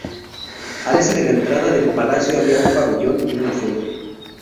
Al este de la entrada del palacio había un pabellón y una fuente.